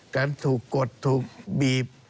การถูกกดถูกบีบ